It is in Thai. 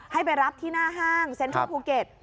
ให้ไปรับที่หน้าห้างเซ็นทรัลภูเก็ต